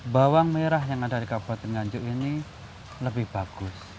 bawang merah yang ada di kabupaten nganjuk ini lebih bagus